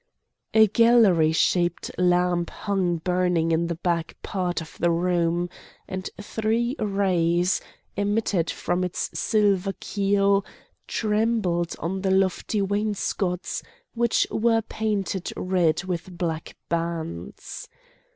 A galley shaped lamp hung burning in the back part of the room, and three rays, emitted from its silver keel, trembled on the lofty wainscots, which were painted red with black bands.